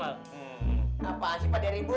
apaan sih pak daringbut